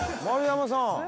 丸山さん。